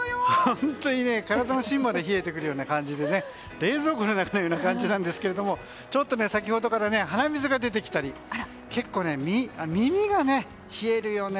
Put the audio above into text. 本当に体の芯まで冷えてくるような感じで冷蔵庫の中のような感じなんですけれどもちょっと先ほどから鼻水が出てきたり結構、耳がね、冷えるよね。